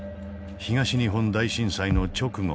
東日本大震災の直後